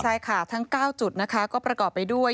ใช่ค่ะทั้ง๙จุดนะคะก็ประกอบไปด้วย